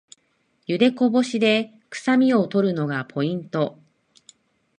ゆでこぼしでくさみを取るのがポイント